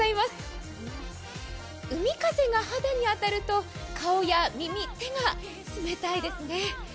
海風が肌に当たると、顔や目、手が冷たいですね。